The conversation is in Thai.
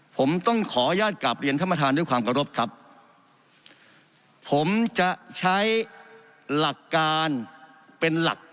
ผมต้องขออนุญาตกลับเรียนท่านประธานด้วยความเคารพครับผมจะใช้หลักการเป็นหลัก